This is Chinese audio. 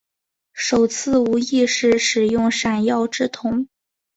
首次无意识使用闪耀之瞳。